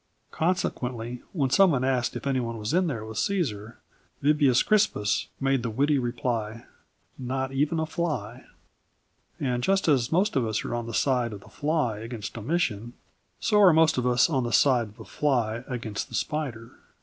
Consequently, when someone once asked whether anyone was in there with Cæsar, Vibius Crispus made the witty reply: 'Not even a fly.'" And just as most of us are on the side of the fly against Domitian, so are most of us on the side of the fly against the spider.